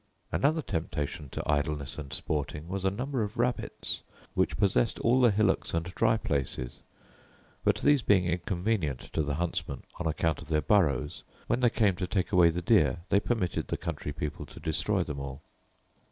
Another temptation to idleness and sporting was a number of rabbits, which possessed all the hillocks and dry places: but these being inconvenient to the huntsmen, on account of their burrows, when they came to take away the deer, they permitted the country people to destroy them all.